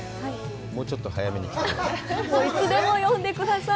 もうちょっと早めに来てください。